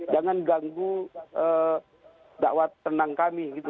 jangan ganggu dakwah tenang kami gitu